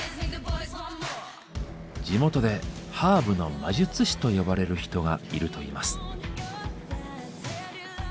地元で「ハーブの魔術師」と呼ばれる人がいるといいます。